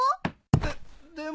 でっでも。